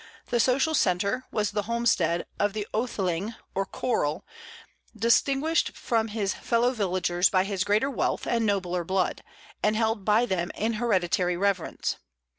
The social centre was the homestead of the oetheling or corl, distinguished from his fellow villagers by his greater wealth and nobler blood, and held by them in hereditary reverence.